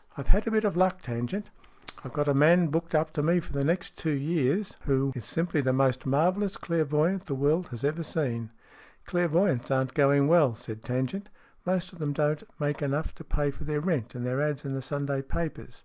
" I've had a bit of luck, Tangent. I've got a man booked up to me for the next two years who 14 STORIES IN GREY is simply the most marvellous clairvoyant the world has ever seen." " Clairvoyants aren't going well," said Tangent. " Most of them don't make enough to pay for their rent and their ads. in the Sunday papers.